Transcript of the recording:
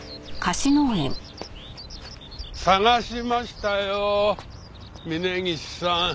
探しましたよ峯岸さん。